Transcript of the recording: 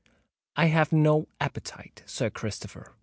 "I have no appetite, Sir Christopher!"